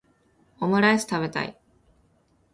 オムライス食べたい